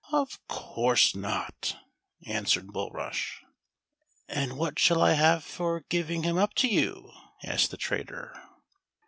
" Of course not," answered Bulrush. " And what shall I have for giving him up to you .'" asked the traitor.